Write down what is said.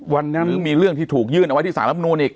มันมีเรื่องที่ถูกยื่นเอาไว้ที่สารรับนูนอีก